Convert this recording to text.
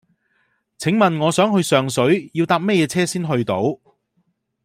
請問我想去上水要搭乜嘢車先去到